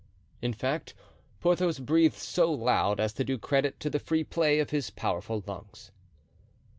In fact, Porthos breathed so loud as to do credit to the free play of his powerful lungs.